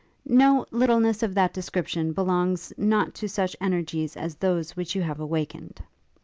'No! littleness of that description belongs not to such energies as those which you have awakened!